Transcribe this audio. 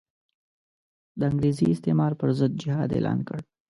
د انګریزي استعمار پر ضد جهاد اعلان کړ.